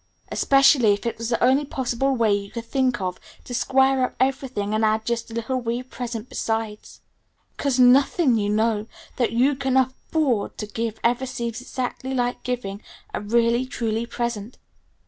Especially if it was the only possible way you could think of to square up everything and add just a little wee present besides? 'Cause nothing, you know, that you can afford to give ever seems exactly like giving a really, truly present.